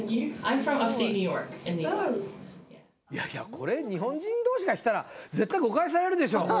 これ日本人同士がしたら絶対に誤解されるでしょ？